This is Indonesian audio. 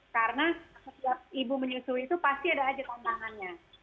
karena setiap ibu menyusui itu pasti ada saja tantangannya